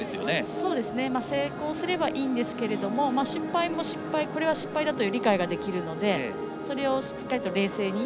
そうですね、成功すればいいんですけどもこれは失敗だという理解ができるのでそれをしっかりと冷静に。